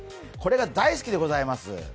これが大好きでございます。